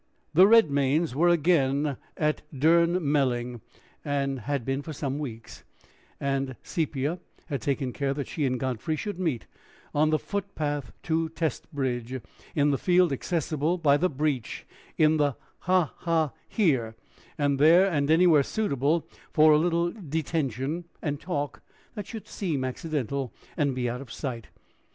The Redmains were again at Durnmelling had been for some weeks; and Sepia had taken care that she and Godfrey should meet on the footpath to Testbridge, in the field accessible by the breach in the ha ha here and there and anywhere suitable for a little detention and talk that should seem accidental, and be out of sight.